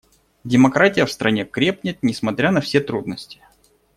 Демократия в стране крепнет, несмотря на все трудности.